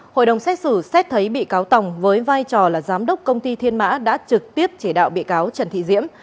hội đồng xét xử xét thấy bị cáo tòng với vai trò là giám đốc công ty thiên mã đã trực tiếp chỉ đạo bị cáo trần thị diễm